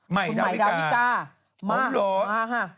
หมายดาวิกาผมรู้คุณหมายดาวิกามาฮะ